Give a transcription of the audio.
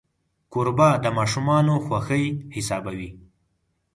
کوربه د ماشومانو خوښي حسابوي.